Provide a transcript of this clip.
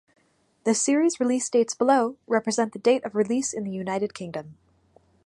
The series release dates below represent the date of release in the United Kingdom.